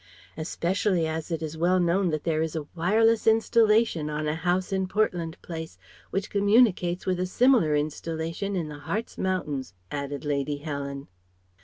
"Especially as it is well known that there is a wireless installation on a house in Portland Place which communicates with a similar installation in the Harz Mountains," added Lady Helen.